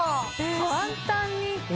簡単に。